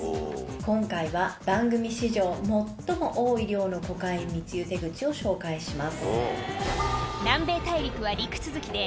今回は番組史上最も多い量のコカイン密輸手口を紹介します。